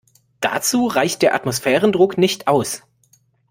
Dazu reicht der Atmosphärendruck nicht aus.